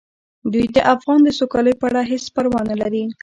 دوی د افغان د سوکالۍ په اړه هیڅ پروا نه لري.